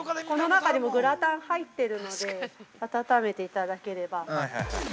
この中にグラタン入ってるので、温めていただければ。